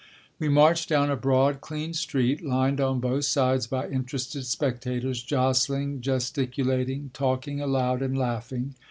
We marched down a broad, clean street, lined on both sides by interested spectators jostling, gesticulating, talking aloud and laughing.